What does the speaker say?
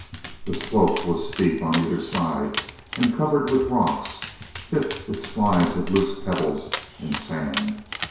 The slope was steep on either side, covered with rocks, thick with slides of loose pebbles and sand.